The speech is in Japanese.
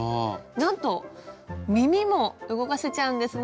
なんと耳も動かせちゃうんですね。